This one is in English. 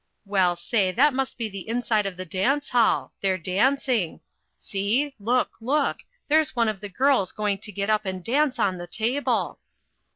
Well, say, that must be the inside of the dance hall they're dancing see, look, look, there's one of the girls going to get up and dance on the table.